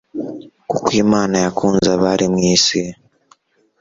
Kukw Imana yakunzabari mw isi